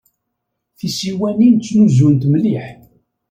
Tisiwanin ttnuzunt mliḥ.